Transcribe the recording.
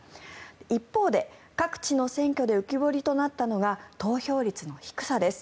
一方で各地の選挙で浮き彫りとなったのが投票率の低さです。